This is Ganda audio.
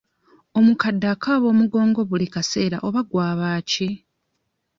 Omukadde akaaba omugongo buli kaseera oba gwaba ki?